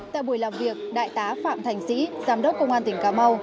tại buổi làm việc đại tá phạm thành sĩ giám đốc công an tỉnh cà mau